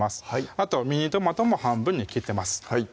あとはミニトマトも半分に切ってます